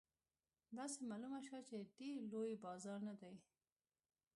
داسې معلومه شوه چې ډېر لوی بازار نه دی.